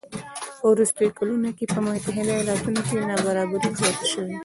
په وروستیو کلونو کې په متحده ایالاتو کې نابرابري زیاته شوې